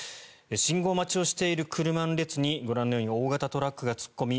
信号待ちをしている車の列にご覧のように大型トラックが突っ込み